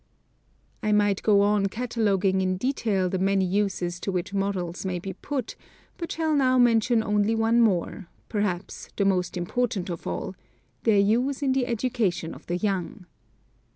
I might go on cataloguing in detail the many uses to which models may be put, but shall now mention only one more — per haps the most important of all — their use in the education of the young.